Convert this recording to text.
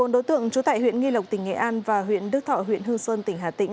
một mươi đối tượng trú tại huyện nghi lộc tỉnh nghệ an và huyện đức thọ huyện hương sơn tỉnh hà tĩnh